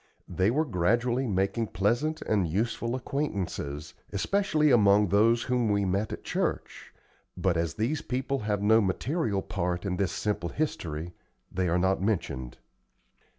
They were gradually making pleasant and useful acquaintances, especially among those whom we met at church; but as these people have no material part in this simple history, they are not mentioned.